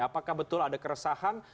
apakah betul ada keresahan